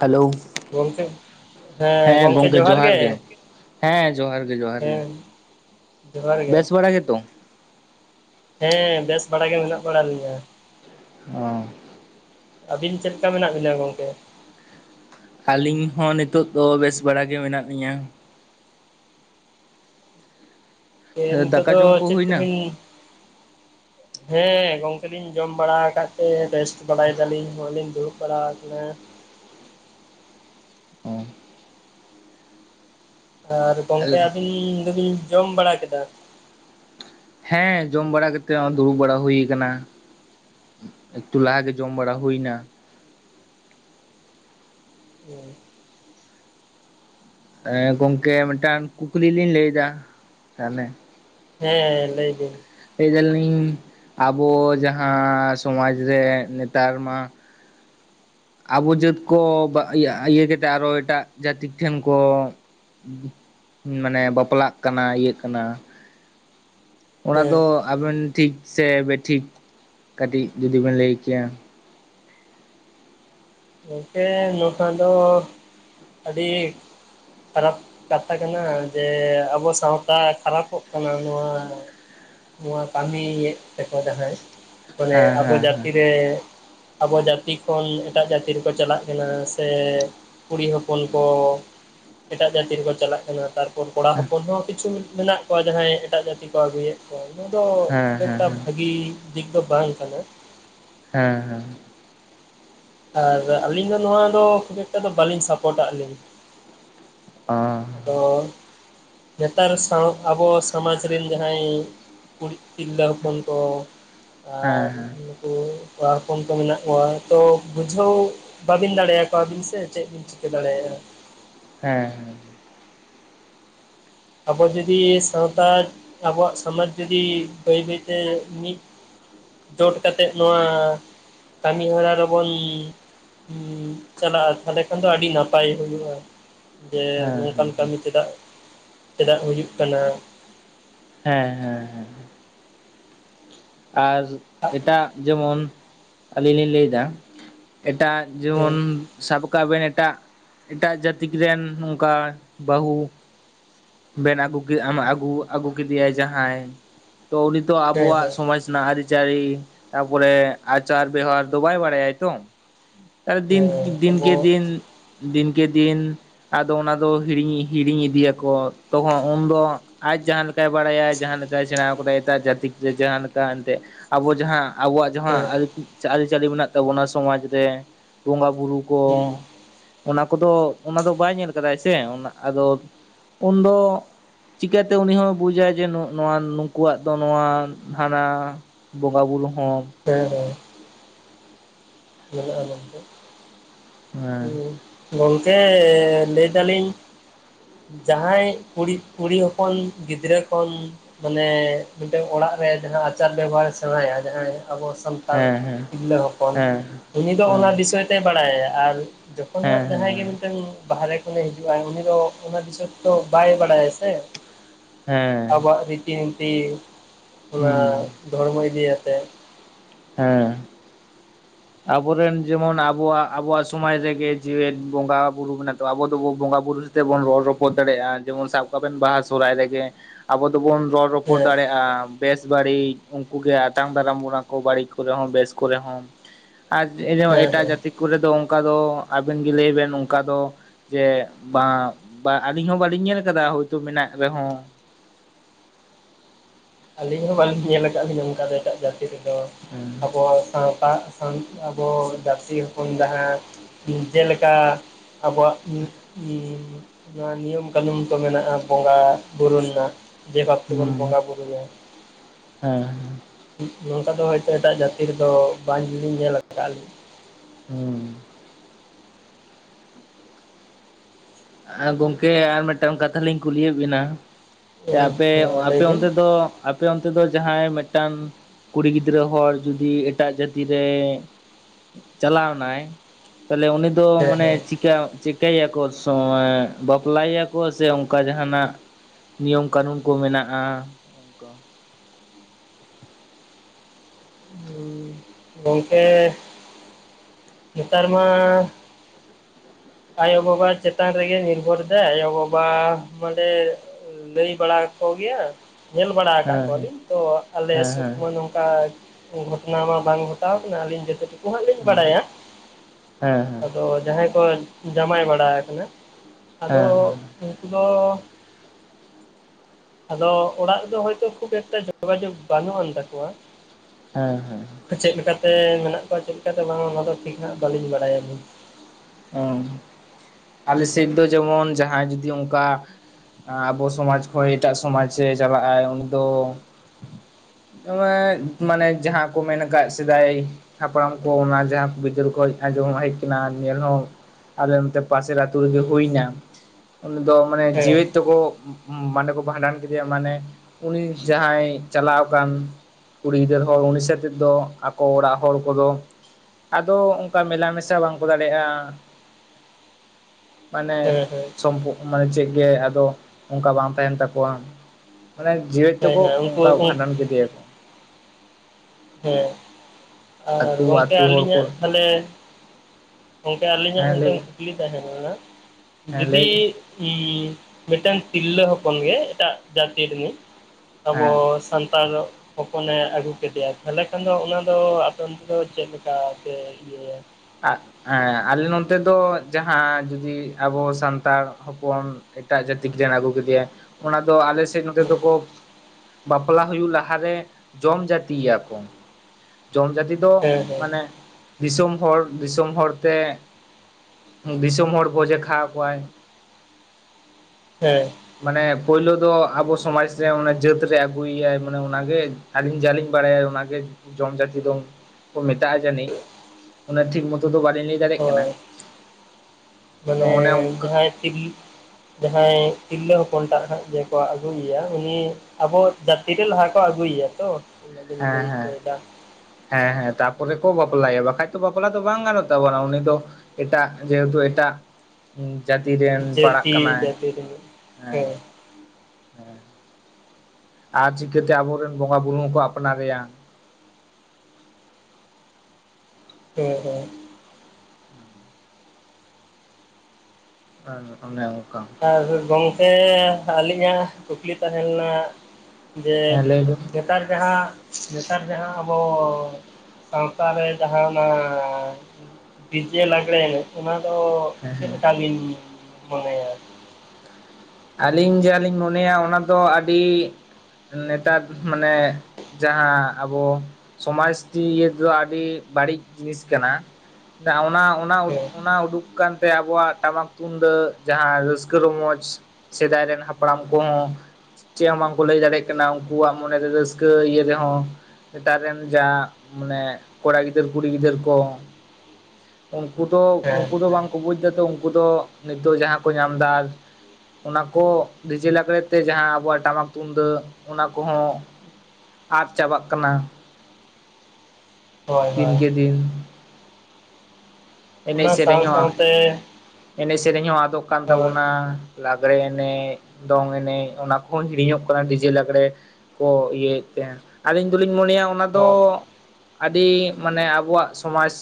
Hello ᱜᱚᱢᱠᱮ ᱦᱮᱸ ᱜᱚᱝᱠᱮ ᱡᱚᱦᱟᱨ ᱜᱮ ᱦᱮᱸ ᱡᱚᱦᱟᱨ ᱜᱮ ᱡᱚᱦᱟᱨ ᱜᱮ ᱦᱮᱸ ᱵᱮᱥ ᱵᱟᱲᱟ ᱜᱮ ᱛᱚ? ᱦᱮᱸ ᱵᱮᱥ ᱵᱟᱲᱟ ᱜᱮ ᱢᱮᱱᱟᱜ ᱵᱟᱲᱟ ᱞᱤᱧᱼᱟ᱾ ᱚ ᱟᱹᱵᱤᱱ ᱪᱮᱫ ᱞᱮᱠᱟ ᱢᱮᱱᱟᱜ ᱵᱤᱱᱟ ᱜᱚᱝᱠᱮ? ᱟᱹᱞᱤᱧ ᱦᱚᱸ ᱱᱤᱛᱚᱜ ᱫᱚ ᱵᱮᱥ ᱵᱟᱲᱟ ᱜᱮ ᱢᱮᱱᱟᱜ ᱞᱤᱧᱟᱹ ᱾ ᱦᱮ ᱱᱤᱛᱚᱜ ᱫᱟᱠᱟ ᱫᱚ ᱡᱚᱢ ᱠᱚ ᱪᱮᱫ ᱦᱩᱭᱱᱟ ᱠᱚᱵᱤᱱ ᱦᱮᱸ ᱜᱚᱝᱠᱮ ᱞᱤᱧ ᱡᱚᱢ ᱵᱟᱲᱟ ᱟᱠᱟᱫ ᱛᱮ ᱨᱮᱥᱴ ᱵᱟᱲᱟᱭ ᱫᱟᱞᱤᱧ ᱱᱚᱜᱼᱚᱭ ᱞᱤᱧ ᱫᱩᱲᱩᱵ ᱵᱟᱲᱟ ᱟᱠᱟᱱᱟ ᱾ ᱚᱸ ᱟᱨ ᱜᱚᱝᱠᱮ ᱟᱹᱵᱤᱱ ᱫᱚᱵᱤᱱ ᱡᱚᱢ ᱵᱟᱲᱟ ᱠᱮᱫᱟ? ᱦᱮᱸ ᱡᱚᱢ ᱵᱟᱲᱟ ᱠᱟᱛᱮ ᱫᱩᱲᱩᱵ ᱵᱟᱲᱟ ᱦᱩᱭ ᱠᱟᱱᱟ ᱾ ᱮᱠᱴᱩ ᱞᱟᱦᱟ ᱜᱮ ᱡᱚᱢ ᱵᱟᱲᱟ ᱦᱩᱭᱮᱱᱟ ᱾ ᱦᱩᱸ ᱦᱮ ᱜᱚᱝᱠᱮ ᱢᱤᱫᱴᱟᱝ ᱠᱩᱠᱞᱤ ᱞᱤᱧ ᱞᱟᱹᱭ ᱮᱫᱟ ᱛᱟᱦᱞᱮ᱾ ᱦᱮᱸ ᱞᱟᱹᱭ ᱵᱤᱱ᱾ ᱞᱟᱹᱭ ᱫᱟᱞᱤᱧ ᱟᱵᱚ ᱡᱟᱦᱟᱸ ᱥᱚᱢᱟᱡᱽ ᱨᱮ ᱱᱮᱛᱟᱨ ᱢᱟ ᱟᱵᱚ ᱡᱟᱹᱛ ᱠᱚ ᱵᱟ ᱤᱭᱟᱹ ᱤᱭᱟᱹ ᱠᱟᱛᱮᱫ ᱟᱨᱚ ᱮᱴᱟᱜ ᱡᱟᱹᱛᱤ ᱴᱷᱮᱱ ᱠᱚ ᱢᱟᱱᱮ ᱵᱟᱯᱞᱟᱜ ᱠᱟᱱᱟ ᱤᱭᱟᱹᱜ ᱠᱟᱱᱟ? ᱚᱱᱟ ᱫᱚ ᱦᱮᱸ ᱟᱵᱮᱱ ᱴᱷᱤᱠ ᱥᱮ ᱵᱮᱴᱷᱤᱠ ᱠᱟᱹᱴᱤᱡ ᱡᱩᱫᱤ ᱵᱮᱱ ᱞᱟᱹᱭ ᱠᱮᱭᱟ ᱾ ᱜᱚᱝᱠᱮ ᱱᱚᱠᱟ ᱫᱚ ᱟᱹᱰᱤ ᱠᱷᱟᱨᱟᱯ ᱠᱟᱛᱷᱟ ᱠᱟᱱᱟ ᱡᱮ ᱟᱵᱚ ᱥᱟᱶᱛᱟ ᱠᱷᱟᱨᱟᱯᱚᱜ ᱠᱟᱱᱟ᱾ ᱱᱚᱣᱟ ᱱᱚᱣᱟ ᱠᱟᱹᱢᱭᱮᱫ ᱛᱮᱠᱚ ᱡᱟᱦᱟᱸᱭ ᱾ ᱢᱟᱱᱮ ᱦᱮᱸ ᱟᱵᱚ ᱦᱮᱸ ᱦᱮᱸ ᱡᱟᱹᱛᱤ ᱨᱮ ᱟᱵᱚ ᱡᱟᱹᱛᱤ ᱠᱷᱚᱱ ᱮᱴᱟᱜ ᱡᱟᱹᱛᱤ ᱛᱤ ᱨᱮᱠᱚ ᱪᱟᱞᱟᱜ ᱠᱟᱱᱟ ᱥᱮ ᱠᱩᱲᱤ ᱦᱚᱯᱚᱱ ᱠᱚ ᱮᱴᱟᱜ ᱡᱟᱹᱛᱤ ᱨᱮᱠᱚ ᱪᱟᱞᱟᱜ ᱠᱟᱱᱟ᱾ ᱛᱟᱨᱯᱚᱨ ᱠᱚᱲᱟ ᱦᱚᱯᱚᱱ ᱦᱚᱸ ᱠᱤᱪᱷᱩ ᱢᱮᱱᱟᱜ ᱠᱚᱣᱟ ᱡᱟᱦᱟᱸᱭ ᱮᱴᱟᱜ ᱡᱟᱹᱛᱤ ᱠᱚ ᱟᱹᱜᱩᱭᱮᱫ ᱠᱚ ᱚᱱᱟ ᱫᱚ ᱠᱷᱩᱵ ᱦᱮᱸ ᱮᱠᱴᱟ ᱦᱮᱸ ᱵᱷᱟᱜᱤ ᱫᱤᱠ ᱫᱚ ᱵᱟᱝ ᱠᱟᱱᱟ᱾ ᱦᱮᱸ - ᱦᱮᱸ ᱟᱨ ᱟᱹᱞᱤᱧ ᱫᱚ ᱱᱚᱣᱟ ᱫᱚ ᱠᱷᱩᱵ ᱮᱠᱴᱟ ᱫᱚ ᱵᱟᱞᱤᱧ ᱥᱟᱯᱳᱴᱟᱜ ᱞᱤᱧ ᱾ ᱦᱚᱸ ᱟᱫᱚ ᱱᱮᱛᱟᱨ ᱥᱟᱶ ᱟᱵᱚ ᱥᱚᱢᱟᱡᱽ ᱨᱮᱱ ᱡᱟᱦᱟᱸᱭ ᱠᱩᱲᱤᱫ ᱛᱤᱨᱞᱟᱹ ᱦᱚᱯᱚᱱ ᱠᱚ ᱦᱮᱸ ᱟᱨ ᱦᱮᱸ ᱦᱮᱸ ᱠᱚᱲᱟ ᱦᱚᱯᱚᱱ ᱠᱚ ᱢᱮᱱᱟᱜ ᱠᱚᱣᱟ ᱛᱚ ᱵᱩᱡᱷᱟᱹᱣ ᱵᱟᱵᱤᱱ ᱫᱟᱲᱮᱭᱟ ᱠᱚᱣᱟ ᱵᱤᱱ ᱥᱮ ᱪᱮᱫ ᱵᱤᱱ ᱪᱤᱠᱟᱹ ᱫᱟᱲᱮᱭᱟᱜ ᱼᱟ᱾ ᱦᱮᱸ - ᱦᱮᱸ ᱟᱵᱚ ᱡᱩᱫᱤ ᱥᱟᱶᱛᱟ ᱟᱵᱚᱣᱟᱜ ᱥᱚᱢᱟᱡᱽ ᱡᱩᱫᱤ ᱵᱟᱹᱭ ᱵᱟᱹᱭ ᱛᱮ ᱢᱤᱫ ᱡᱳᱴ ᱠᱟᱛᱮᱫ ᱱᱚᱣᱟ ᱠᱟᱹᱢᱤ ᱦᱚᱨᱟ ᱨᱮᱵᱚᱱ ᱪᱟᱞᱟᱜᱼᱟ ᱛᱟᱞᱦᱮ ᱠᱷᱟᱱ ᱫᱚ ᱟᱹᱰᱤ ᱱᱟᱯᱟᱭ ᱦᱩᱭᱩᱜᱼᱟ ᱡᱮ ᱦᱮᱸ ᱱᱚᱝᱠᱟᱱ ᱠᱟᱹᱢᱤ ᱪᱮᱫᱟᱜ ᱪᱮᱫᱟᱜ ᱦᱩᱭᱩᱜ ᱠᱟᱱᱟ᱾ ᱦᱮᱸ ᱦᱮᱸ ᱦᱮᱸ ᱟᱨ ᱮᱴᱟᱜ ᱡᱮᱢᱚᱱ ᱟᱹᱞᱤᱧ ᱞᱤᱧ ᱞᱟᱹᱭ ᱫᱟ᱾ ᱮᱴᱟᱜ ᱡᱮᱢᱚᱱ ᱦᱮᱸ ᱥᱟᱵᱠ ᱠᱟᱜ ᱵᱮᱱ ᱮᱴᱟᱜ ᱮᱴᱟᱜ ᱡᱟᱹᱛᱤᱠ ᱨᱮᱱ ᱚᱱᱠᱟ ᱵᱟᱹᱦᱩ ᱵᱮᱱ ᱟᱹᱜᱩ ᱠᱮᱫ ᱟᱹᱜᱩ ᱟᱹᱜᱩ ᱠᱮᱫᱮᱭᱟᱭ ᱡᱟᱦᱟᱸᱭ ᱛᱚ ᱩᱱᱤ ᱛᱚ ᱦᱮᱸ ᱟᱵᱚᱣᱟᱜ ᱦᱮᱸ ᱥᱚᱢᱟᱡᱽ ᱨᱮᱱᱟᱜ ᱟᱹᱨᱤ ᱪᱟᱹᱞᱤ ᱛᱟᱯᱚᱨᱮ ᱟᱪᱟᱨ ᱵᱮᱣᱦᱟᱨ ᱫᱚ ᱵᱟᱭ ᱵᱟᱲᱟᱭᱟᱭ ᱛᱚ ᱛᱟᱦᱞᱮ ᱫᱤᱱ ᱦᱮᱸ ᱫᱤᱱ ᱠᱮ ᱟᱵᱚ ᱫᱤᱱ ᱫᱤᱱ ᱠᱮ ᱫᱤᱱ ᱟᱫᱚ ᱚᱱᱟᱫᱚ ᱦᱤᱲᱤᱧ ᱦᱤᱲᱤᱧ ᱤᱫᱤᱭ ᱟᱠᱚ ᱛᱚᱠᱷᱚᱱ ᱩᱱᱫᱚ ᱟᱡᱽ ᱡᱟᱦᱟᱸ ᱞᱮᱠᱟᱭ ᱵᱟᱲᱟᱭᱟ ᱡᱟᱦᱟᱸ ᱞᱮᱠᱟᱭ ᱥᱮᱬᱟᱣ ᱠᱟᱫᱟ ᱮᱴᱟᱜ ᱡᱟᱹᱛᱤ ᱡᱟᱦᱟᱸ ᱞᱮᱠᱟ ᱮᱱᱛᱮᱫ ᱟᱵᱚ ᱡᱟᱦᱟᱸ ᱟᱵᱚᱣᱟᱜ ᱦᱮᱸ ᱡᱟᱦᱟᱸ ᱟᱹᱨᱤᱪᱟᱹᱞᱤ ᱢᱮᱱᱟᱜ ᱛᱟᱵᱚᱱᱟ ᱥᱚᱢᱟᱡᱽ ᱨᱮ ᱵᱚᱸᱜᱟ ᱵᱩᱨᱩ ᱠᱚ ᱦᱩᱸ ᱚᱱᱟ ᱠᱚᱫᱚ ᱚᱱᱟ ᱫᱚ ᱵᱟᱭ ᱧᱮᱞ ᱠᱟᱫᱟᱭ ᱥᱮ ᱟᱫᱚ ᱩᱱ ᱫᱚ ᱪᱤᱠᱟᱹ ᱛᱮ ᱩᱱᱤ ᱦᱚᱸᱭ ᱵᱩᱡᱟ ᱡᱮ ᱱᱚᱣᱟ ᱱᱩᱠᱩᱣᱟᱜ ᱫᱚ ᱱᱚᱣᱟ ᱦᱟᱱᱟ ᱵᱚᱸᱜᱟ ᱵᱩᱨᱩ ᱦᱚᱸ ᱦᱮᱸ ᱦᱮᱸ ᱢᱮᱱᱟᱜᱼᱟ ᱢᱮᱱᱛᱮᱜ ᱦᱮᱸ ᱦᱩᱸ ᱜᱚᱝᱠᱮ ᱞᱟᱹᱭ ᱫᱟᱞᱤᱧ ᱡᱟᱦᱟᱸᱭ ᱠᱩᱲᱤ ᱠᱩᱲᱤ ᱦᱚᱯᱚᱱ ᱜᱤᱫᱽᱨᱟᱹ ᱠᱷᱚᱱ ᱢᱟᱱᱮ ᱢᱤᱫᱴᱮᱱ ᱚᱲᱟᱜ ᱨᱮ ᱡᱟᱦᱟᱸ ᱟᱪᱟᱨ ᱵᱮᱵᱚᱦᱟᱨ ᱥᱮᱬᱟᱭᱟ ᱡᱟᱦᱟᱸᱭ ᱟᱵᱚ ᱥᱟᱱ ᱛᱟᱲ ᱦᱮᱸ ᱦᱮᱸ ᱛᱤᱨᱞᱟᱹ ᱦᱚᱯᱚᱱ ᱦᱮᱸ ᱩᱱᱤ ᱫᱚ ᱚᱱᱟ ᱦᱮᱸ ᱵᱤᱥᱚᱭ ᱛᱮᱭ ᱵᱟᱲᱟᱭᱟ ᱟᱨ ᱡᱚᱠᱷᱚᱱ ᱦᱮᱸ ᱦᱟᱸᱜ ᱦᱮᱸ ᱡᱟᱦᱟᱸᱭ ᱜᱮ ᱦᱮᱸ ᱢᱤᱫᱴᱟᱝ ᱵᱟᱦᱨᱮ ᱠᱷᱚᱱᱮ ᱦᱤᱡᱩᱜ ᱟᱭ ᱩᱱᱤ ᱫᱚ ᱚᱱᱟ ᱵᱤᱥᱚᱭ ᱛᱚ ᱵᱟᱭ ᱵᱟᱲᱟᱭᱟᱭ ᱥᱮ ᱦᱮᱸ ᱟᱵᱚᱣᱟᱜ ᱨᱤᱛᱤ ᱱᱤᱛᱤ ᱚᱱᱟ ᱦᱩᱸ ᱫᱷᱚᱨᱢᱚ ᱤᱫᱤ ᱟᱛᱮ ᱦᱮᱸ ᱟᱵᱚᱨᱮᱱ ᱡᱮᱢᱚᱱ ᱟᱵᱚᱣᱟᱜ ᱟᱵᱚᱣᱟᱜ ᱥᱚᱢᱟᱡᱽ ᱨᱮᱜᱮ ᱡᱮᱣᱮᱫ ᱵᱚᱸᱜᱟ ᱵᱩᱨᱩ ᱢᱮᱱᱟᱜ ᱛᱚ ᱟᱵᱚ ᱫᱚᱵᱚ ᱵᱚᱸᱜᱟ ᱵᱩᱨᱩ ᱛᱮᱵᱚᱱ ᱨᱚᱲ ᱨᱚᱯᱚᱲ ᱫᱟᱲᱮᱭᱟᱜᱼᱟ ᱡᱮᱢᱚᱱ ᱥᱟᱵ ᱠᱟᱜᱵᱮᱱ ᱵᱟᱦᱟ ᱥᱚᱦᱨᱟᱭ ᱨᱮᱜᱮ ᱟᱵᱚ ᱫᱚᱵᱚᱱ ᱨᱚᱲ ᱨᱚᱯᱚᱲ ᱦᱮᱸ ᱫᱟᱲᱮᱭᱟᱜᱼᱟ᱾ ᱵᱮᱥ ᱵᱟᱹᱲᱤᱡᱽ ᱩᱱᱠᱩ ᱜᱮ ᱟᱛᱟᱝ ᱫᱟᱨᱟᱢ ᱵᱚᱱᱟ ᱠᱚ ᱵᱟᱹᱲᱤᱡᱽ ᱠᱚᱨᱮ ᱦᱚᱸ ᱵᱮᱥ ᱠᱚᱨᱮ ᱦᱚᱸ ᱟ ᱮ ᱡᱟᱸᱣᱟᱭ ᱦᱮᱸ ᱮᱴᱟᱜ ᱦᱮᱸ ᱡᱟᱹᱛᱤ ᱠᱚᱨᱮ ᱫᱚ ᱚᱱᱠᱟ ᱫᱚ ᱟᱵᱮᱱ ᱜᱮ ᱞᱟᱹᱭ ᱵᱮᱱ ᱚᱱᱠᱟ ᱫᱚ ᱡᱮ ᱵᱟᱝ ᱵᱟ ᱟᱹᱞᱤᱧ ᱦᱚᱸ ᱵᱟᱹᱞᱤᱧ ᱧᱮᱞ ᱠᱟᱫᱟ ᱦᱳᱭᱛᱳ ᱢᱮᱱᱟᱜ ᱨᱮᱦᱚᱸ ᱟᱹᱞᱤᱧ ᱦᱚᱸ ᱵᱟᱞᱤᱧ ᱧᱮᱞ ᱠᱟᱜ ᱞᱤᱧ ᱚᱱᱠᱟ ᱫᱚ ᱮᱴᱟᱜ ᱡᱟᱹᱛᱤ ᱨᱮᱫᱚ ᱦᱮᱸ ᱟᱵᱚ ᱥᱟᱶᱛᱟ ᱥᱟᱱ ᱟᱵᱚ ᱡᱟᱹᱛᱤ ᱦᱚᱯᱚᱱ ᱡᱟᱦᱟᱸ ᱡᱮᱞᱮᱠᱟ ᱟᱵᱚᱣᱟᱜ ᱩᱸ ᱩ ᱱᱚᱣᱟ ᱱᱤᱭᱚᱢ ᱠᱟᱹᱱᱩᱱ ᱠᱚ ᱢᱮᱱᱟᱜᱼᱟ ᱵᱚᱸᱜᱟ ᱵᱩᱨᱩ ᱨᱮᱱᱟᱜ ᱡᱮ ᱵᱷᱟᱵ ᱛᱮᱵᱚᱱ ᱵᱚᱸᱜᱟ ᱵᱩᱨᱩᱭᱟ᱾ ᱦᱮᱸ ᱱᱚᱝᱠᱟ ᱫᱚ ᱦᱳᱭᱛᱳ ᱮᱴᱟᱜ ᱡᱟᱹᱛᱤ ᱨᱮᱫᱚ ᱵᱟᱝ ᱜᱮᱞᱤᱧ ᱧᱮᱞ ᱠᱟᱜ ᱞᱤᱧ ᱦᱩᱸ ᱟ ᱜᱚᱝᱠᱮ ᱟᱨ ᱢᱤᱫᱴᱟᱝ ᱠᱟᱛᱷᱟ ᱞᱤᱧ ᱠᱩᱞᱤᱭᱮᱜ ᱵᱤᱱᱟ᱾ ᱦᱮᱸ ᱟᱯᱮ ᱞᱟᱹᱭ ᱟᱯᱮ ᱵᱤᱱ ᱚᱱᱛᱮ ᱫᱚ ᱟᱯᱮ ᱚᱱᱛᱮ ᱫᱚ ᱡᱟᱦᱟᱸᱭ ᱢᱤᱫᱴᱟᱝ ᱠᱩᱲᱤ ᱜᱤᱫᱽᱨᱟᱹ ᱦᱚᱲ ᱡᱩᱫᱤ ᱮᱴᱟᱜ ᱡᱟᱹᱛᱤ ᱨᱮᱭ ᱪᱟᱞᱟᱣ ᱱᱟᱭ ᱛᱟᱞᱦᱮ ᱩᱱᱤ ᱫᱚ ᱦᱮᱸ ᱢᱟᱱᱮ ᱦᱮᱸ ᱪᱮᱠᱟ ᱪᱮᱠᱟᱭ ᱟᱠᱚ ᱥᱚ ᱵᱟᱯᱞᱟᱭ ᱭᱟᱠᱚ ᱥᱮ ᱚᱱᱠᱟ ᱡᱟᱦᱟᱱᱟᱜ ᱱᱤᱭᱚᱢ ᱠᱟᱹᱱᱩᱱ ᱠᱚ ᱢᱮᱱᱟᱜᱼᱟ᱾ ᱚᱝᱠᱟ ᱩ ᱜᱚᱝᱠᱮ ᱱᱮᱛᱟᱨ ᱢᱟ ᱟᱭᱳᱼᱵᱟᱵᱟ ᱪᱮᱛᱟᱱ ᱨᱮᱜᱮ ᱱᱤᱨᱵᱷᱚᱨ ᱫᱟᱭ ᱟᱭᱳᱵᱟᱵᱟ ᱢᱟᱱᱮ ᱞᱟᱹᱭ ᱵᱟᱲᱟ ᱠᱚᱜᱮᱭᱟ ᱧᱮᱞ ᱵᱟᱲᱟ ᱟᱠᱟᱫ ᱦᱮᱸ ᱠᱚᱣᱟᱞᱤᱧ ᱛᱚ ᱟᱞᱮ ᱦᱮᱸ ᱦᱮᱸ [unintelligible] ᱠᱟ ᱜᱷᱚᱴᱚᱱᱟ ᱢᱟ ᱵᱟᱝ ᱜᱷᱚᱴᱟᱣ ᱠᱟᱱᱟ ᱟᱹᱞᱤᱧ ᱡᱚᱛᱚ ᱴᱩᱠ [unintelligible] ᱦᱟᱸᱜ ᱞᱤᱧ ᱦᱮᱸ ᱵᱟᱰᱟᱭᱟ ᱦᱮᱸ ᱟᱫᱚ ᱡᱟᱦᱟᱸᱭ ᱠᱚ ᱡᱟᱢᱟᱭ ᱵᱟᱲᱟ ᱠᱟᱱᱟ ᱦᱮᱸ ᱟᱫᱚ ᱩᱱᱠᱩ ᱫᱚ ᱟᱫᱚ ᱚᱲᱟᱜ ᱨᱮᱫᱚ ᱦᱳᱭᱛᱚ ᱠᱷᱩᱵ ᱮᱠᱴᱟ ᱡᱳᱜᱟᱡᱳᱜ ᱵᱟᱹᱱᱩᱜ ᱟᱱ ᱛᱟᱠᱚᱣᱟ᱾ ᱦᱮᱸ ᱦᱮᱸ ᱪᱮᱫ ᱞᱮᱠᱟᱛᱮ ᱢᱮᱱᱟᱜ ᱠᱚᱣᱟ ᱪᱮᱫ ᱞᱮᱠᱟᱛᱮ ᱵᱟᱝᱟ ᱚᱱᱟ ᱫᱚ ᱴᱷᱤᱠ ᱦᱟᱜ ᱵᱟᱹᱞᱤᱧ ᱵᱟᱰᱟᱭᱟᱞᱤᱱ᱾ ᱚ, ᱟᱞᱮ ᱥᱮᱫ ᱫᱚ ᱡᱮᱢᱚᱱ ᱡᱟᱦᱟᱸᱭ ᱡᱩᱫᱤ ᱚᱱᱠᱟ ᱟᱵᱚ ᱥᱚᱢᱟᱡ ᱠᱷᱚᱡ ᱮᱴᱟᱜ ᱥᱚᱢᱟᱡ ᱥᱮᱜ ᱪᱟᱞᱟᱜᱼ ᱟᱭ ᱩᱱᱤ ᱫᱚ [unintelligible] ᱢᱟᱱᱮ ᱡᱟᱦᱟᱸ ᱠᱚ ᱢᱮᱱ ᱠᱟᱫ ᱥᱮᱫᱟᱭ ᱦᱟᱯᱲᱟᱢ ᱠᱚ ᱚᱱᱟ ᱡᱟᱦᱟᱸ ᱵᱤᱫᱟᱹᱞ ᱠᱷᱚᱡ ᱟᱸᱡᱚᱢ ᱦᱮᱡ ᱠᱟᱱᱟ ᱧᱮᱞ ᱦᱚᱸ ᱟᱞᱮ ᱱᱚᱛᱮ ᱯᱟᱥᱮᱨ ᱟᱛᱳ ᱨᱮᱜᱮ ᱦᱩᱭᱱᱟ ᱩᱱᱤ ᱫᱚ ᱢᱟᱱᱮ ᱦᱮᱸ ᱡᱤᱣᱮᱫ ᱛᱮᱠᱚ ᱢᱟᱱᱮ ᱠᱚ ᱵᱷᱟᱸᱰᱟᱱ ᱠᱮᱫᱮᱭᱟ ᱢᱟᱱᱮ ᱩᱱᱤ ᱡᱟᱦᱟᱸᱭ ᱪᱟᱞᱟᱣ ᱠᱟᱱ ᱠᱩᱲᱤ ᱜᱤᱫᱟᱹᱨ ᱦᱚᱲ ᱩᱱᱤ ᱥᱟᱛᱮ ᱫᱚ ᱟᱠᱚ ᱚᱲᱟᱜ ᱦᱚᱲ ᱠᱚᱫᱚ ᱟᱫᱚ ᱚᱱᱠᱟ ᱢᱮᱞᱟ ᱢᱮᱥᱟ ᱵᱟᱝᱠᱚ ᱫᱟᱲᱮᱭᱟᱜᱼᱟ᱾ ᱢᱟᱱᱮ ᱦᱮᱸ ᱦᱮᱸ ᱥᱚᱢᱯᱚ ᱢᱟᱱᱮ ᱪᱮᱫ ᱜᱮ ᱟᱫᱚ ᱚᱱᱠᱟ ᱵᱟᱝ ᱛᱟᱦᱮᱱ ᱛᱟᱠᱚᱣᱟ᱾ ᱢᱟᱱᱮ ᱡᱮᱣᱮᱫ ᱦᱮᱸ ᱛᱮᱠᱚ ᱦᱮᱸ ᱩᱱᱠᱩ ᱚᱱᱠᱟ ᱵᱷᱟᱱᱰᱟᱱ ᱠᱮᱫᱮᱭᱟᱠᱚ᱾ ᱦᱮᱸ ᱟᱨ ᱟᱹᱛᱩ ᱜᱚᱝᱠᱮ ᱟᱹᱛᱩ ᱦᱚᱲ ᱠᱚ ᱟᱹᱞᱤᱧᱟᱜ ᱛᱟᱦᱞᱮ ᱜᱚᱝᱠᱮ ᱟᱹᱞᱤᱧᱟᱜ ᱦᱮᱸ ᱞᱟᱹᱭ ᱢᱤᱫᱴᱟᱝ ᱢᱮ ᱠᱩᱠᱞᱤ ᱛᱟᱦᱮ ᱞᱮᱱᱟ ᱦᱮᱸ ᱞᱟᱹᱭ ᱡᱩᱫᱤ ᱵᱤᱱ [unintelligible] ᱢᱤᱫᱴᱟᱝ ᱛᱤᱨᱞᱟᱹ ᱦᱚᱯᱚᱱ ᱜᱮ ᱮᱴᱟᱜ ᱡᱟᱹᱛᱤ ᱨᱤᱱᱤᱡ ᱟᱵᱚ ᱦᱮᱸ ᱥᱟᱱᱛᱟᱲ ᱦᱚᱯᱚᱱᱮ ᱟᱹᱜᱩ ᱠᱮᱫᱮᱭᱟ ᱛᱟᱦᱚᱞᱮ ᱠᱷᱟᱱ ᱫᱚ ᱚᱱᱟ ᱫᱚ ᱟᱯᱮ ᱚᱱᱛᱮ ᱫᱚ ᱪᱮᱫ ᱞᱮᱠᱟ ᱯᱮ ᱤᱭᱟᱹᱭᱟ? ᱟᱜ ᱟᱸ ᱟᱞᱮ ᱱᱚᱛᱮ ᱫᱚ ᱡᱟᱦᱟᱸ ᱡᱩᱫᱤ ᱟᱵᱚ ᱥᱟᱱᱛᱟᱲ ᱦᱚᱯᱚᱱ ᱮᱴᱟᱜ ᱡᱟᱹᱛᱤᱠ ᱨᱮᱱ ᱟᱹᱜᱩ ᱠᱮᱫᱮᱭᱟ ᱚᱱᱟ ᱫᱚ ᱟᱞᱮ ᱥᱮᱫ ᱱᱚᱛᱮ ᱦᱮᱸ ᱫᱚᱠᱚ ᱵᱟᱯᱞᱟ ᱦᱩᱭᱩᱜ ᱞᱟᱦᱟᱨᱮ ᱡᱚᱢ ᱡᱟᱛᱤᱭᱟ ᱠᱚ ᱡᱚᱢ ᱡᱟᱛᱤ ᱫᱚ ᱦᱮᱸ ᱦᱮᱸ ᱢᱟᱱᱮ ᱫᱤᱥᱚᱢ ᱦᱚᱲ ᱫᱤᱥᱚᱢ ᱦᱚᱲ ᱛᱮ ᱫᱤᱥᱚᱢ ᱦᱚᱲ ᱵᱷᱚᱡᱮ ᱠᱷᱣᱟᱣ ᱠᱚᱣᱟᱭ [inaudible] ᱦᱮᱸ ᱢᱟᱱᱮ ᱯᱳᱭᱞᱳ ᱫᱚ ᱟᱵᱚ ᱥᱚᱢᱟᱡ ᱥᱮ ᱚᱱᱟ ᱡᱟᱹᱛ ᱨᱮ ᱟᱹᱜᱩᱭᱮ ᱭᱟᱭ ᱢᱟᱱᱮ ᱚᱱᱟᱜᱮ ᱟᱹᱞᱤᱧ ᱡᱟᱞᱤᱧ ᱵᱟᱲᱟᱭᱟ ᱚᱱᱟᱜᱮ ᱡᱚᱢ ᱡᱟᱛᱤ ᱫᱚ ᱠᱚ ᱢᱮᱛᱟᱜᱼᱟ ᱡᱟᱹᱱᱤᱡ᱾ ᱩᱱᱟᱹᱜ ᱴᱷᱤᱠ ᱢᱚᱛᱚ ᱫᱚ ᱵᱟᱞᱤᱧ ᱞᱟᱹᱭ ᱫᱟᱲᱮᱜ ᱠᱟᱱᱟ᱾ ᱦᱳᱭ ᱛᱚ ᱢᱟᱱᱮ ᱚᱱᱮ ᱚᱱᱠᱟ ᱡᱟᱦᱟᱸᱭ ᱛᱤᱞ ᱡᱟᱦᱟᱸᱭ ᱛᱤᱨᱞᱟᱹ ᱦᱚᱯᱚᱱ ᱴᱟᱜ ᱦᱟᱸᱜ ᱡᱮᱠᱚ ᱟᱹᱜᱩᱭᱮᱭᱟ, ᱩᱱᱤ ᱟᱵᱚ ᱡᱟᱛᱤᱹ ᱨᱮ ᱞᱟᱦᱟ ᱠᱚ ᱟᱹᱜᱩᱭᱮᱭᱟ ᱛᱚ? ᱚᱱᱟᱜᱤᱧ ᱦᱮᱸ ᱞᱟᱹᱭ ᱦᱮᱸ ᱦᱚᱪᱚᱭᱮᱫᱟ ᱦᱮᱸ ᱦᱮᱸ ᱛᱟᱯᱚᱨᱮ ᱠᱚ ᱵᱟᱯᱞᱟᱭᱟ ᱵᱟᱠᱷᱟᱡ ᱫᱚ ᱵᱟᱯᱞᱟ ᱫᱚ ᱵᱟᱝ ᱜᱟᱱᱚᱜ ᱛᱟᱵᱚᱱᱟ ᱩᱱᱤ ᱫᱚ ᱮᱴᱟᱜ ᱡᱮᱦᱮᱛᱩ ᱮᱴᱟᱜ ᱡᱟᱹᱛᱤ ᱨᱮᱱ ᱯᱟᱲᱟᱜ ᱡᱟᱹᱛᱤ ᱠᱟᱱᱟᱭ, ᱡᱟᱹᱛᱤ ᱨᱤᱱᱤᱡ ᱦᱮᱸ ᱦᱮᱸ ᱟᱨ ᱪᱤᱠᱟᱹᱛᱮ ᱟᱵᱚᱨᱮᱱ ᱵᱚᱸᱜᱟ ᱵᱩᱨᱩ ᱦᱚᱸᱠᱚ ᱟᱯᱱᱟᱨᱮᱭᱟ᱾ ᱦᱮᱸ ᱦᱩᱸ ᱟᱱ ᱚᱱᱮ ᱚᱱᱠᱟ᱾ ᱟᱨ ᱜᱚᱝᱠᱮ ᱟᱹᱞᱤᱧᱟᱜ ᱠᱩᱠᱞᱤ ᱛᱟᱦᱮᱸ ᱞᱮᱱᱟ᱾ ᱡᱮ ᱦᱮᱸ ᱞᱟᱹᱭ ᱵᱤᱱ ᱱᱮᱛᱟᱨ ᱡᱟᱦᱟᱸ, ᱱᱮᱛᱟᱨ ᱡᱟᱦᱟᱸ ᱟᱵᱚ ᱥᱟᱶᱛᱟᱨᱮ ᱡᱟᱦᱟᱸ ᱚᱱᱟ ᱰᱤ ᱡᱮ ᱞᱟᱸᱜᱽᱲᱮ ᱮᱱᱮᱡ ᱚᱱᱟ ᱫᱚ ᱦᱮᱸ ᱦᱮᱸ ᱪᱮᱫᱞᱮᱠᱟ ᱵᱤᱱ ᱢᱚᱱᱮᱭᱟ? ᱟᱹᱞᱤᱧ ᱡᱟᱦᱟ ᱞᱤᱧ ᱢᱚᱱᱮᱭᱟ ᱚᱱᱟ ᱫᱚ ᱟᱹᱰᱤ ᱱᱮᱛᱟᱨ ᱢᱟᱱᱮ ᱡᱟᱦᱟᱸ ᱟᱵᱚ ᱥᱚᱢᱟᱡ ᱫᱤᱭᱟᱹ ᱫᱚ ᱟᱹᱰᱤ ᱵᱟᱹᱲᱤᱡ ᱡᱤᱱᱤᱥ ᱠᱟᱱᱟ᱾ ᱴᱟ ᱚᱱᱟ ᱚᱱᱟ ᱦᱮᱸ ᱚᱱᱟ ᱩᱰᱩᱠ ᱠᱟᱱᱛᱮ ᱟᱵᱚᱣᱟᱜ ᱴᱟᱢᱟᱠ ᱛᱩᱢᱫᱟᱜ ᱡᱟᱦᱟᱸ ᱨᱟᱹᱥᱠᱟᱹ ᱨᱚᱢᱚᱡᱽ ᱥᱮᱫᱟᱭ ᱨᱮᱱ ᱦᱟᱯᱲᱟᱢ ᱠᱳᱸ᱾ ᱪᱮᱫ ᱦᱚᱸ ᱵᱟᱝᱠᱚ ᱞᱟᱹᱭ ᱫᱟᱲᱮᱜ ᱠᱟᱱᱟ ᱩᱱᱠᱩᱣᱟᱜ ᱢᱚᱱᱮᱨᱮ ᱨᱟᱹᱥᱠᱟᱹ ᱤᱭᱟᱹ ᱨᱮᱦᱚᱸ᱾ ᱱᱮᱛᱟᱨ ᱨᱮᱱ ᱡᱟ, ᱢᱟᱱᱮ ᱠᱚᱲᱟ ᱜᱤᱫᱟᱹᱨ ᱠᱩᱲᱤ ᱜᱤᱫᱟᱹᱨ ᱠᱚ ᱩᱱᱠᱩ ᱫᱚ ᱦᱮᱸ ᱩᱱᱠᱩ ᱫᱚ ᱵᱟᱝᱠᱚ ᱵᱩᱡ ᱫᱟ ᱛᱚ, ᱩᱱᱠᱩ ᱫᱚ ᱱᱤᱛᱚᱜ ᱡᱟᱦᱟᱸᱠᱚ ᱧᱟᱢ ᱮᱫᱟ ᱟᱡ ᱚᱱᱟ ᱠᱚ ᱰᱤᱡᱮ ᱞᱟᱜᱽᱲᱮ ᱛᱮ ᱡᱟᱦᱟᱸ ᱟᱵᱚᱣᱟᱜ ᱴᱟᱢᱟᱠ ᱛᱩᱢᱫᱟᱹᱜ ᱚᱱᱟ ᱠᱚᱦᱚᱸ ᱟᱛ ᱪᱟᱵᱟᱜ ᱠᱟᱱᱟ ᱦᱳᱭ ᱫᱤᱱ ᱦᱳᱭ ᱜᱮ ᱫᱤᱱ᱾ ᱮᱱᱮᱡ ᱚᱱᱟ ᱥᱮᱨᱮᱧ ᱥᱟᱶ ᱦᱚᱸ, ᱥᱟᱶᱛᱮ ᱮᱱᱮᱡ ᱥᱮᱨᱮᱧ ᱦᱚᱸ ᱟᱫᱚᱜ ᱠᱟᱱ ᱦᱳᱭ ᱛᱟᱵᱚᱱᱟ᱾ ᱞᱟᱜᱽᱲᱮ ᱮᱱᱮᱡ, ᱫᱚᱝ ᱮᱱᱮᱡ ᱚᱱᱟ ᱠᱚ ᱦᱚᱸ ᱦᱤᱲᱤᱧᱚᱜ ᱠᱟᱱᱟ ᱰᱤᱡᱮ ᱞᱟᱜᱽᱲᱮ, ᱠᱚ ᱤᱭᱟᱹᱭᱮᱫ ᱛᱟᱦᱮᱸ-ᱟ ᱟᱹᱞᱤᱧ ᱫᱚᱞᱤᱧ ᱢᱚᱱᱮᱭᱟ ᱚᱱᱟ ᱫᱚ ᱦᱳᱭ ᱟᱹᱰᱤ ᱢᱟᱱᱮ ᱟᱵᱚᱣᱟᱜ ᱥᱚᱢᱟᱡᱽ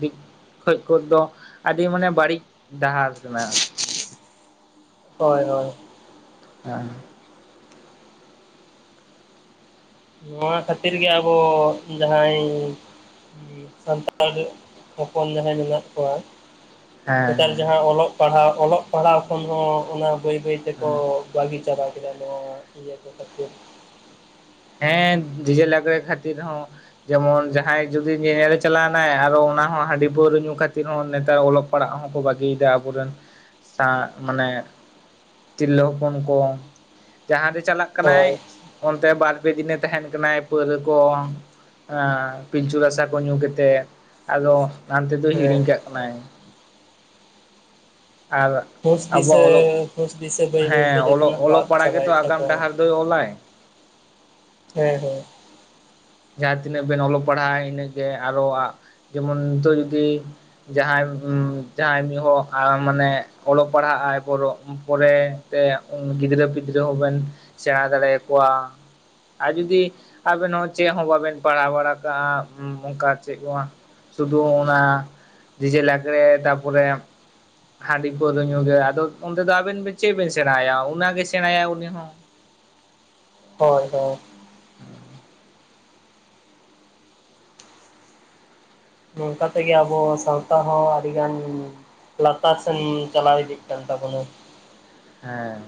ᱫᱤᱠ ᱠᱷᱚᱡ ᱠᱚᱫ ᱫᱚ ᱟᱹᱰᱤ ᱢᱟᱱᱮ ᱵᱟᱹᱲᱤᱡ ᱰᱟᱦᱟᱨ ᱠᱟᱱᱟ᱾ ᱦᱚᱭ ᱦᱚᱭ᱾ [unintelligible] ᱱᱚᱣᱟ ᱠᱷᱟᱹᱛᱤᱨ ᱜᱮ ᱟᱵᱚ ᱡᱟᱦᱟᱸᱭ ᱥᱟᱱᱛᱟᱲ ᱦᱚᱯᱚᱱ ᱡᱟᱦᱟᱸᱭ ᱢᱮᱱᱟᱜ ᱠᱚᱣᱟ ᱦᱮᱸ ᱱᱮᱛᱟᱨ ᱦᱮᱸ ᱡᱟᱦᱟᱸ ᱚᱞᱚᱜ ᱯᱟᱲᱦᱟᱣ ᱚᱞᱚᱜ ᱯᱟᱲᱦᱟᱣ ᱠᱷᱚᱱ ᱦᱚᱸ ᱚᱱᱟ ᱵᱟᱹᱭ ᱵᱟᱹᱭ ᱛᱮᱠᱚ ᱦᱮᱸ ᱵᱟᱜᱤ ᱪᱟᱵᱟ ᱠᱮᱫᱟ ᱠᱚ ᱱᱚᱣᱟ ᱤᱭᱟᱹ ᱠᱚ ᱦᱮᱸ ᱰᱤᱡᱮ ᱞᱟᱜᱽᱲᱮ ᱠᱷᱟᱹᱛᱤᱨ ᱦᱚᱸ, ᱡᱮᱢᱚᱱ ᱡᱟᱦᱟᱸᱭ ᱡᱩᱫᱤ ᱧᱮᱧᱮᱞᱮ ᱪᱟᱞᱟᱣ ᱮᱱᱟᱭ ᱟᱨᱚ ᱚᱱᱟ ᱦᱚᱸ ᱦᱟᱺᱰᱤ ᱯᱟᱹᱣᱨᱟᱹ ᱧᱩ ᱠᱷᱟᱹᱛᱤᱨ ᱦᱚᱸ ᱱᱮᱛᱟᱨ ᱚᱞᱚᱜ ᱯᱟᱲᱦᱟᱜ ᱦᱚᱸᱠᱚ ᱵᱟᱹᱜᱤᱭᱮᱫᱟ ᱟᱵᱚᱨᱮᱱ ᱥᱟ ᱢᱟᱱᱮ᱾ ᱛᱤᱨᱞᱟᱹ ᱦᱚᱯᱚᱱ ᱠᱚ ᱡᱟᱦᱟᱸᱨᱮ ᱪᱟᱞᱟᱜ ᱠᱟᱱᱟᱭ ᱦᱳᱭ ᱚᱱᱛᱮ ᱵᱟᱨ ᱯᱮ ᱫᱤᱱᱮ ᱛᱟᱦᱮᱸᱱ ᱠᱟᱱᱟᱭ ᱯᱟᱹᱣᱨᱟᱹ ᱠᱚ᱾ ᱯᱤᱞᱪᱩ ᱨᱟᱥᱟ ᱠᱚ ᱧᱩ ᱠᱮᱛᱮᱫ ᱟᱫᱚ ᱦᱟᱱᱛᱮ ᱫᱚ ᱦᱮᱸ ᱦᱤᱲᱤᱧ ᱠᱟᱜ ᱠᱟᱱᱟᱭ᱾ ᱟᱨ, ᱦᱩᱥ ᱫᱤᱥᱟᱹ ᱟᱵᱚᱣᱟᱜ ᱚᱞᱚᱜ, ᱦᱩᱥ ᱫᱤᱥᱟᱹ ᱵᱟᱹᱭ ᱵᱟᱹᱭᱛᱮ ᱦᱮᱸ ᱚᱞᱚᱜ, ᱡᱚᱛᱚᱱᱟᱜ ᱠᱚ ᱚᱞᱚᱜ ᱟᱫ ᱯᱟᱲᱦᱟᱜᱮᱛᱚ ᱪᱟᱵᱟᱭᱮᱫ ᱟᱜᱟᱢ ᱛᱟᱠᱚᱣᱟ ᱰᱟᱦᱟᱨ ᱫᱚᱭ ᱚᱞᱟᱭ᱾ ᱦᱳᱭ ᱦᱳᱭ᱾ ᱡᱟᱦᱟᱸ ᱛᱤᱱᱟᱹᱜ ᱵᱮᱱ ᱚᱞᱚᱜ ᱯᱟᱲᱦᱟᱜ-ᱟ ᱤᱱᱟᱹᱜ ᱜᱮ ᱟᱨᱚᱣᱟᱜ, ᱡᱮᱢᱚᱱ ᱱᱤᱛᱚᱜ ᱡᱩᱫᱤ ᱡᱟᱦᱟᱸᱭ ᱡᱟᱦᱟᱸᱭ ᱢᱤᱜ ᱦᱚᱲ ᱟᱲ ᱢᱟᱱᱮ ᱚᱞᱚᱜ ᱯᱟᱲᱦᱟᱜ ᱟᱭ ᱯᱚᱨᱚ ᱯᱚᱨᱮ ᱛᱮ ᱩᱱ ᱜᱤᱫᱽᱨᱟᱹ ᱯᱤᱫᱽᱨᱟᱹ ᱦᱚᱸᱵᱮᱱ ᱥᱮᱬᱟ ᱫᱟᱲᱮ ᱟᱠᱚᱣᱟ᱾ ᱟᱨ ᱡᱩᱫᱤ ᱟᱵᱮ ᱦᱚᱭ ᱪᱮᱫ ᱦᱚᱸ ᱵᱟᱵᱮᱱ ᱯᱟᱲᱦᱟᱣ ᱵᱟᱲᱟ ᱠᱟᱜᱼᱟ ᱚᱝᱠᱟ ᱪᱮᱫ ᱠᱚ ᱥᱩᱫᱩ ᱚᱱᱟ ᱰᱤᱡᱮ ᱞᱟᱜᱽᱲᱮ ᱛᱟᱨᱯᱚᱨᱮ ᱦᱟᱺᱰᱤ ᱯᱟᱹᱣᱨᱟᱹ ᱧᱩ ᱜᱮ ᱟᱫᱚ ᱚᱸᱰᱮ ᱫᱚ ᱟᱵᱮᱱ ᱵᱮᱱ ᱪᱮᱫ ᱵᱮᱱ ᱥᱮᱬᱟᱭᱟ, ᱚᱱᱟ ᱜᱮ ᱥᱮᱬᱟᱭᱟᱭ ᱩᱱᱤ ᱦᱚᱸ᱾ ᱦᱚᱭ ᱦᱚᱭ᱾ ᱱᱚᱝᱠᱟ ᱛᱮᱜᱮ ᱟᱵᱚ ᱥᱟᱶᱛᱟ ᱦᱚᱸ ᱟᱹᱰᱤᱜᱟᱱ ᱞᱟᱛᱟᱨ ᱥᱮᱱ ᱪᱟᱞᱟᱣ ᱤᱫᱤᱜ ᱠᱟᱱ ᱛᱟᱵᱚᱱᱟ᱾ ᱦᱮᱸ᱾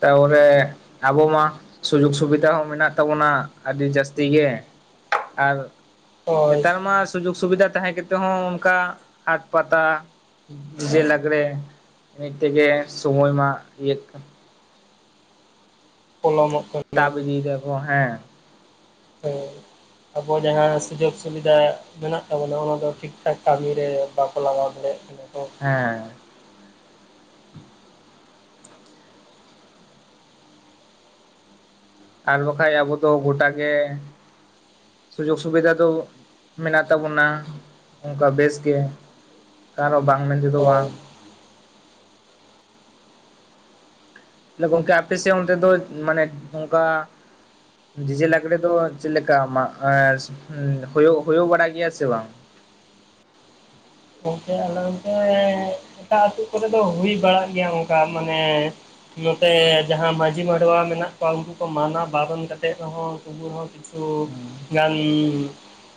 ᱛᱟᱯᱚᱨᱮ ᱟᱵᱚ ᱢᱟ ᱥᱩᱡᱳᱜ ᱥᱩᱵᱤᱛᱟ ᱦᱚᱸ ᱢᱮᱱᱟᱜ ᱛᱟᱵᱚᱱᱟ ᱟᱹᱰᱤ ᱡᱟᱹᱥᱛᱤ ᱜᱮ ᱟᱨ ᱦᱳᱭ ᱱᱮᱛᱟᱨ ᱢᱟ ᱥᱩᱡᱳᱜᱽ ᱥᱩᱵᱤᱫᱷᱟ ᱛᱟᱦᱮᱸ ᱠᱟᱛᱮ ᱦᱚᱸ ᱚᱱᱠᱟ ᱦᱟᱴ ᱯᱟᱛᱟ ᱡᱮ ᱞᱟᱜᱽᱲᱮ ᱮᱱᱮᱡ ᱛᱮᱜᱮ ᱥᱚᱢᱚᱭ ᱢᱟ ᱤᱭᱟ. ᱜ ᱠᱟᱱᱟ᱾ ᱯᱚᱞᱚᱢᱚᱜ ᱠᱟᱱ᱾ ᱛᱟᱵ ᱤᱫᱤ ᱫᱟᱠᱚ ᱦᱮᱸ, ᱦᱮᱸ ᱟᱵᱚ ᱡᱟᱦᱟᱸ ᱥᱩᱡᱳᱜᱽ ᱥᱩᱵᱤᱫᱷᱟ ᱢᱮᱱᱟᱜ ᱛᱟᱵᱚᱱᱟ ᱚᱱᱟ ᱫᱚ ᱴᱷᱤᱠ ᱴᱷᱟᱠ ᱠᱟᱹᱢᱤᱨᱮ ᱵᱟᱠᱚ ᱞᱟᱜᱟᱣ ᱫᱟᱲᱮᱭᱟᱜ ᱠᱟᱱᱟ ᱛᱚ᱾ ᱦᱮᱸ᱾ ᱟᱨ ᱵᱟᱠᱷᱟᱡ ᱟᱵᱚ ᱫᱚ ᱜᱚᱴᱟᱜᱮ ᱥᱩᱡᱳᱜᱽ ᱥᱩᱵᱤᱫᱷᱟ ᱫᱚ ᱢᱮᱱᱟᱜ ᱛᱟᱵᱚᱱᱟ, ᱚᱱᱠᱟ ᱵᱮᱥ ᱜᱮ ᱟᱨᱚ ᱵᱟᱝ ᱢᱮᱱ ᱛᱮᱫᱚ ᱦᱳᱭ ᱵᱟᱝ᱾ ᱛᱟᱦᱚᱞᱮ ᱜᱚᱝᱠᱮ ᱟᱯᱮ ᱥᱮᱫ ᱚᱱᱛᱮ ᱫᱚ ᱢᱟᱱᱮ ᱚᱝᱠᱟᱼᱼ ᱰᱤᱡᱮ ᱞᱟᱜᱽᱲᱮ ᱫᱚ ᱪᱮᱫ ᱞᱮᱠᱟ ᱢᱟ ᱮᱸ ᱦᱩᱭᱩᱜ ᱦᱩᱭᱩᱜ ᱵᱟᱲᱟᱜ ᱜᱮᱭᱟ ᱥᱮ ᱵᱟᱝ? ᱜᱚᱝᱠᱮ ᱟᱞᱮ ᱚᱱᱛᱮ ᱮᱴᱟᱜ ᱟᱹᱛᱩ ᱠᱚᱨᱮ ᱫᱚ ᱦᱩᱭ ᱵᱟᱲᱟᱜ ᱜᱮᱭᱟ᱾ ᱚᱱᱠᱟ ᱢᱟᱱᱮᱼᱼ ᱱᱚᱛᱮ ᱡᱟᱦᱟᱸ ᱢᱟᱹᱡᱷᱤ ᱢᱟᱰᱚᱣᱟ ᱢᱮᱱᱟᱜ ᱠᱚᱣᱟ ᱩᱱᱠᱩ ᱠᱚ ᱢᱟᱱᱟ ᱵᱟᱨᱚᱱ ᱠᱟᱛᱮᱫ ᱨᱮᱦᱚᱸ ᱩᱱᱠᱩ ᱛᱚᱵᱩ ᱨᱮᱦᱚᱸ ᱠᱤᱪᱷᱩᱼᱼ ᱪᱷᱩ ᱜᱟᱱ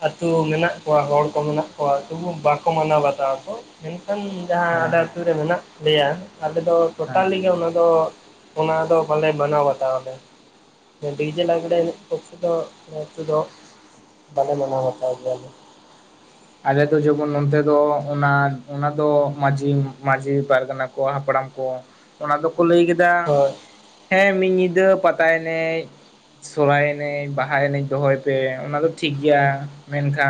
ᱟᱹᱛᱩ ᱢᱮᱱᱟᱜ ᱠᱚᱣᱟ ᱦᱚᱲ ᱠᱚ ᱢᱮᱱᱟᱜ ᱠᱚᱣᱟ ᱛᱚᱵᱩ ᱵᱟᱝᱼᱼ ᱠᱚ ᱢᱟᱱᱟᱣ ᱵᱟᱛᱟᱣᱟ ᱠᱚ᱾ ᱢᱮᱱᱠᱷᱟᱱ ᱡᱟᱦᱟᱸ ᱦᱮᱸ ᱟᱞᱮ ᱦᱮᱸ ᱟᱹᱛᱩ ᱨᱮ ᱢᱮᱱᱟᱜ ᱞᱮᱭᱟ ᱟᱞᱮ ᱫᱚᱼᱼ ᱦᱮᱸ ᱴᱳᱴᱟᱞᱤ ᱜᱮ ᱚᱱᱟ ᱫᱚ ᱚᱱᱟ ᱫᱚ ᱵᱟᱞᱮ ᱢᱟᱱᱟᱣ ᱵᱟᱛᱟᱣᱟᱞᱮ᱾ ᱰᱤᱡᱮ ᱞᱟᱸᱽᱲᱮ ᱮᱱᱮᱡ ᱯᱚᱠᱷᱮ ᱫᱚ ᱮᱠᱴᱩ ᱫᱚᱼᱼ ᱵᱟᱞᱮ ᱢᱟᱱᱟᱣ ᱵᱟᱛᱟᱣ ᱜᱮᱭᱟᱞᱮ᱾ ᱟᱞᱮᱫᱚ ᱡᱮᱢᱚᱱ ᱚᱱᱛᱮ ᱫᱚ ᱚᱱᱟ ᱚᱱᱟ ᱫᱚ ᱢᱟᱹᱡᱷᱤ ᱢᱟᱹᱡᱷᱤ ᱯᱟᱨᱜᱟᱱᱟᱼᱼ ᱠᱚ ᱦᱟᱯᱲᱟᱢ ᱠᱚ ᱚᱱᱟ ᱫᱚᱠᱚ ᱞᱟᱹᱭ ᱠᱟᱫᱟᱼᱼ ᱦᱳᱭ ᱦᱮᱸ ᱢᱤᱫ ᱧᱤᱫᱟᱹ ᱯᱟᱛᱟ ᱮᱱᱮᱡᱼᱼ ᱥᱚᱨᱦᱟᱭ ᱮᱱᱮᱡ ᱵᱟᱦᱟ ᱮᱱᱮᱡ ᱫᱚᱦᱚᱭ ᱯᱮ, ᱚᱱᱟ ᱫᱚ ᱴᱷᱤᱠ ᱜᱮᱭᱟ ᱢᱮᱱᱠᱷᱟᱱᱼᱼ